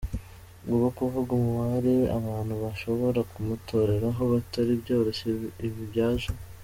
ubwo kuvuga umubare abantu bashobora kumutoreraho bitari byoroshye, ibi byaje.